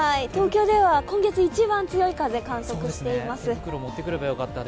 東京では今月一番強い風を観測しています。